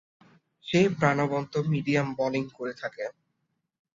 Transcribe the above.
সে প্রাণবন্ত medium bowling করে থাকে।